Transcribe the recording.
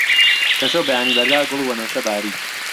کە شەو بەیانی بەردا، گوڵ و وەنەوشە باری